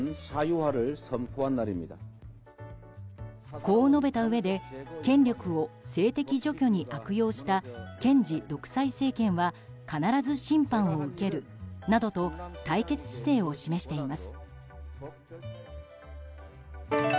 こう述べたうえで権力を政敵除去に悪用した検事独裁政権は必ず審判を受けるなどと対決姿勢を示しています。